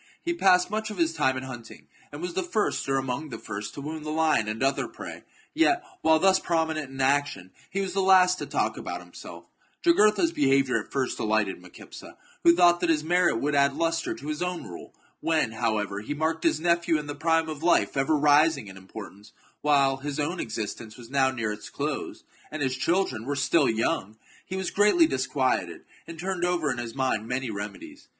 He passed much of his time in hunting, and was the first, or among the first, to wound the lion and other prey ; yet, while thus prominent in action, he was the last to talk about himself. Jugurtha's behaviour at first delighted Micipsa, who thought that his merit would THE JUGURTHINE WAR. 127 add lustre to his own rule. When, however, he marked chap. his nephew in the prime of life ever rising in import ance, while his own existence was now near its close, and his children were still young, he was greatly disquieted, and turned over in his mind many reme dies.